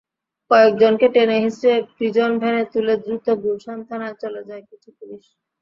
কয়েকজনকে টেনে-হিঁচড়ে প্রিজন ভ্যানে তুলে দ্রুত গুলশান থানায় চলে যায় কিছু পুলিশ।